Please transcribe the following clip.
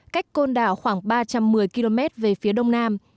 cách côn đảo khoảng ba trăm một mươi km về phía đông nam